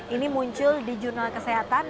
ini muncul di jurnal kesehatan